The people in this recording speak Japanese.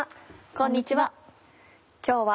こんにちは。